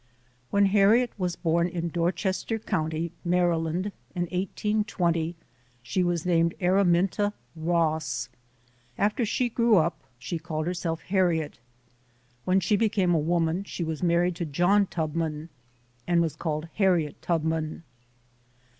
When Harriet was born in Dorchester County, Maryland, in 1820, she was named Araminta Ross. After she grew up, she called herself Har riet. When she became a woman she was married to John Tubman and was called Harriet Tubman.